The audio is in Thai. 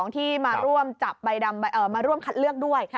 ที่มาร่วมจับมาร่วมคัดเลือกด้วย